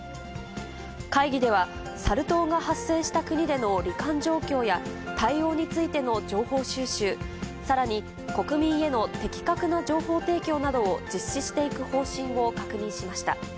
会議では、サル痘が発生した国でのり患状況や、対応についての情報収集、さらに国民への的確な情報提供などを実施していく方針を確認しました。